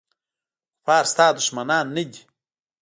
کفار ستا دښمنان نه دي.